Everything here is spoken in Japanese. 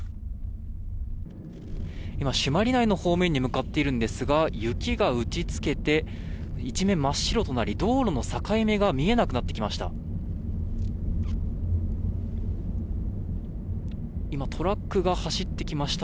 今、朱鞠内の方面に向かっているんですが雪が打ち付けて一面真っ白となり道路の境目が見えなくなってきました。